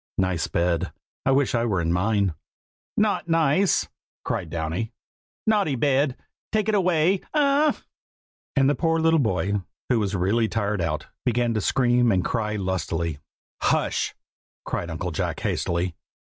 Nice bed! I wish I were in mine." "Not nice!" cried Downy. "Naughty bed! take it away! A a a ah!" and the poor little boy, who was really tired out, began to scream and cry lustily. "Hush!" cried Uncle Jack hastily.